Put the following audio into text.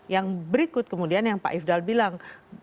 yang berikut kemudian yang pak ifdal bilang